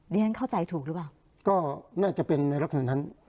เรียนเข้าใจถูกหรือเปล่าก็น่าจะเป็นในลักษณะนั้น